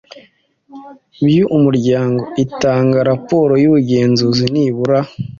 byu umuryango Itanga raporo y ubugenzuzi nibura